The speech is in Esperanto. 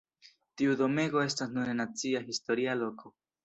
Tiu domego estas nune Nacia Historia Loko.